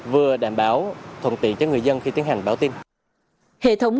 vừa đảm bảo thuận tiện cho người dân khi tiến hành báo tin